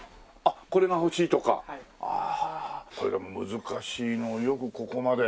難しいのをよくここまで。